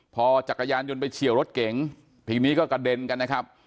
พอจักรยานยนต์ไปเฉียวรถเก๋งทีนี้ก็กระเด็นกันนะครับ